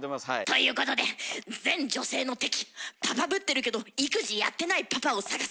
ということで全女性の敵パパぶってるけど育児やってないパパを探せ！